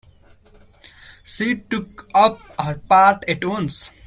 She took up her part at once.